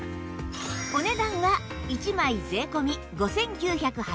お値段は１枚税込５９８０円